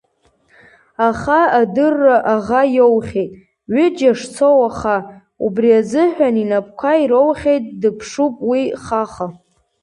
Аха адырра аӷа иоухьеит, ҩыџьа шцо уаха, убри азыҳәа инапқәа ироухьеит, дыԥшуп уи хаха.